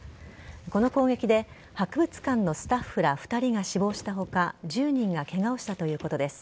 この攻撃で博物館のスタッフら２人が死亡した他１０人がケガをしたということです。